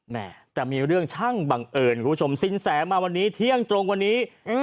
แม่แต่มีเรื่องช่างบังเอิญคุณผู้ชมสินแสมาวันนี้เที่ยงตรงวันนี้